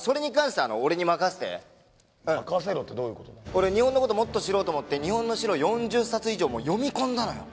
俺日本のこともっと知ろうと思って日本の資料４０冊以上読み込んだのよ。